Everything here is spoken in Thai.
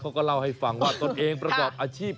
เขาก็เล่าให้ฟังว่าตนเองประกอบอาชีพ